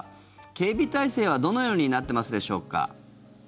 警備態勢はどのようになってますでしょうか？